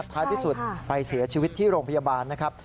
ท้ายที่สุดไปเสียชีวิตที่โรงพยาบาลนะครับ